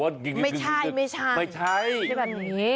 ไม่ใช่ไม่ใช่แบบนี้